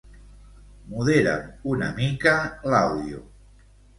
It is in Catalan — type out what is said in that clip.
Modera'm una mica l'àudio.